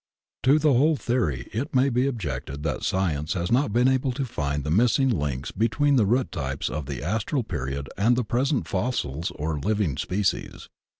To the whole theory it may be objected that Science has not been able to find tfie missing links between the root tjrpes of the astral period and the present fossils or living species.